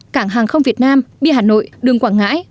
cảng hàng không việt nam bia hà nội đường quảng ngãi